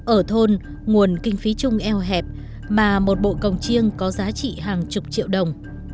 ở thôn nguồn kinh phí chung eo hẹp mà một bộ cồng chiêng có giá trị hàng chục triệu đồng